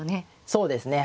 そうですね。